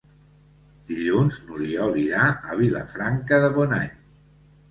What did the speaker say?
Dilluns n'Oriol irà a Vilafranca de Bonany.